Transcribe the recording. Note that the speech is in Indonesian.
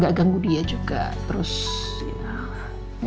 jadi saya tangguh dia juga terus ya